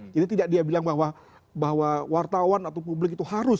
jadi tidak dia bilang bahwa wartawan atau publik itu harus